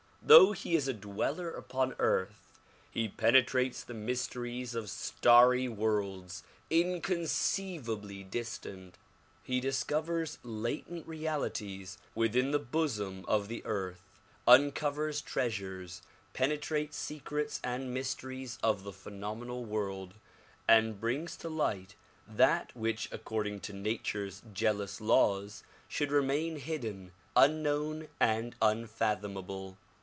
Though he is a dweller upon earth he penetrates the mysteries of starry worlds inconceivably distant. He discovers latent realities within the bosom of the earth, uncovers treasures, penetrates secrets and mysteries of the phenomenal world and brings to light that which according to nature's jealous laws should remain hidden, unknown and unfathomable.